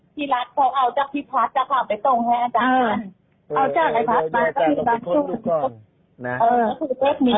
พี่รัฐพ่อเอาจากพี่พัฒน์จากเขาออกไปตรงให้อาจารย์มา